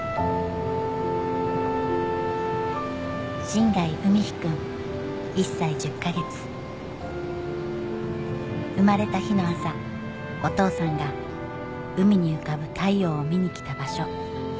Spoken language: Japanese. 新貝海陽くん１歳１０か月生まれた日の朝お父さんが海に浮かぶ太陽を見に来た場所